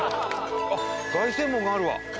凱旋門があるわ。